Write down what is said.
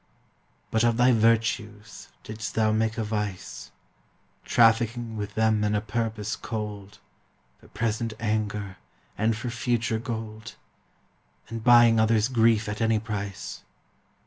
But of thy virtues didst thou make a vice, Trafficking with them in a purpose cold, For present anger, and for future gold And buying others' grief at any price.